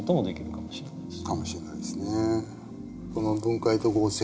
かもしれないですね。